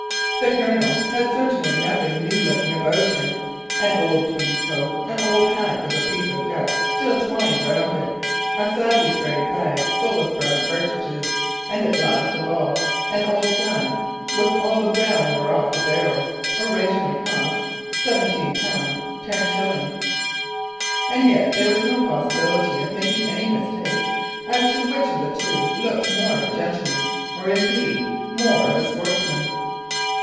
The Colonel had certainly nothing new looking about him; an old tweed coat, an old hat, with a piece of gut still twined round it, a sadly frayed bag full of brown cartridges, and, last of all, an old gun with the brown worn off the barrels, original cost, 17 pounds 10s. And yet there was no possibility of making any mistake as to which of the two looked more of a gentleman, or, indeed, more of a sportsman.